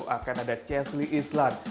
akan ada chesley islan